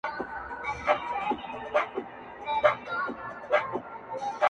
ګل ته ور نیژدې سمه اغزي مي تر زړه وخیژي٫